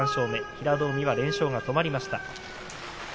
平戸海連勝が止まりました。